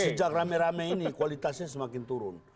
sejak rame rame ini kualitasnya semakin turun